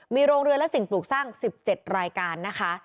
มีโรงเรือและสิ่งปลูกสร้าง๑๗รายการนะคะ